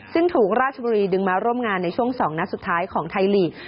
ซึ่งถูกราชบุรีดึงมาร่วมงานในช่วง๒นัดสุดท้ายของไทยลีก